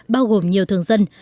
bao gồm nhiều thường dân